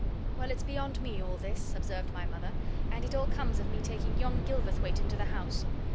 "Well, it's beyond me, all this," observed my mother, "and it all comes of me taking yon Gilverthwaite into the house!